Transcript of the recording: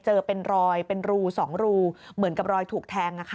เจอเป็นรอยเป็นรู๒รูเหมือนกับรอยถูกแทง